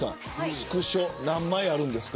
スクショ何枚あるんですか。